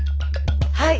はい！